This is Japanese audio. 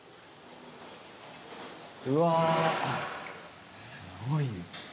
うわあ、すごい。